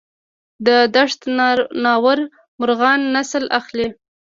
د دشت ناور مرغان نسل اخلي؟